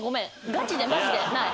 ガチでマジでない。